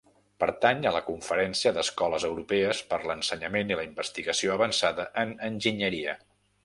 Pertany a la Conferència d'Escoles Europees per l'Ensenyament i la Investigació Avançada en Enginyeria.